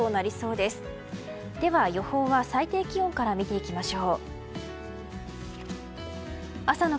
では予報は最低気温から見ていきましょう。